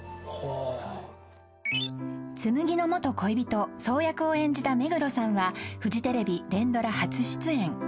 ［紬の元恋人想役を演じた目黒さんはフジテレビ連ドラ初出演］